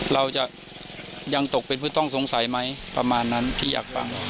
เราจะยังตกเป็นผู้ต้องสงสัยไหมประมาณนั้นพี่อยากฟัง